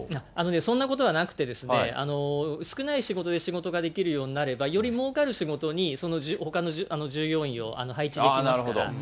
そんなことはなくてですね、少ない仕事で仕事ができるようになれば、よりもうかる仕事にほかの従業員を配置できますから。